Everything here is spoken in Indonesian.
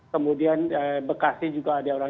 kemudian bekasi juga ada orang